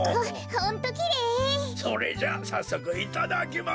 それじゃあさっそくいただきます！